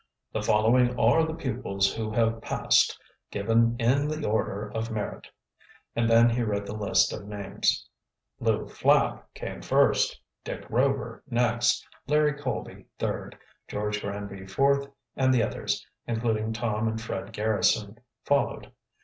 The following are the pupils who have passed, given in the order of merit." And then he read the list of names. Lew Flapp came first, Dick Rover next, Larry Colby third, George Granbury fourth, and the others, including Tom and Fred Garrison, followed.